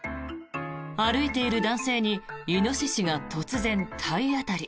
歩いている男性にイノシシが突然、体当たり。